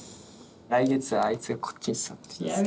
来月はあいつがこっちに座ってます。